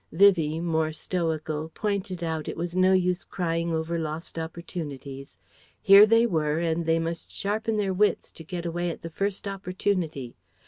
Vivie, more stoical, pointed out it was no use crying over lost opportunities. Here they were, and they must sharpen their wits to get away at the first opportunity.